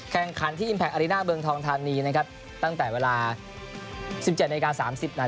แข่งขันที่อิมแพคอริน่าเมืองทองทานีนะครับตั้งแต่เวลา๑๗นาที๓๐นาที